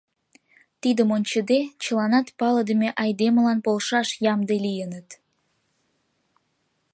Тидым ончыде, чыланат палыдыме айдемылан полшаш ямде лийыныт.